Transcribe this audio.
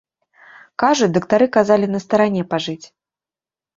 Кажуць, дактары казалі на старане пажыць.